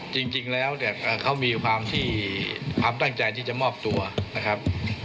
จริงแล้วเขามีความตั้งใจที่จะมอบตัวนะครับ